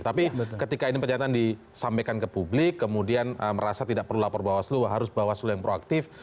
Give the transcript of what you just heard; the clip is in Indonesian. tapi ketika ini penyataan disampaikan ke publik kemudian merasa tidak perlu lapor bawaslu harus bawaslu yang proaktif